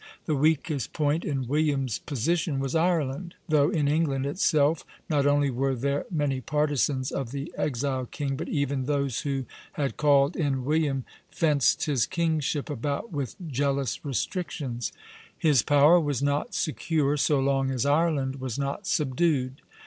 The weakest point in William's position was Ireland; though in England itself not only were there many partisans of the exiled king, but even those who had called in William fenced his kingship about with jealous restrictions. His power was not secure so long as Ireland was not subdued.